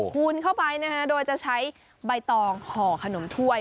คูณเข้าไปโดยจะใช้ใบตองห่อขนมถ้วย